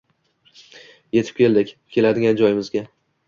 yetib keldik, keladigan joyimizga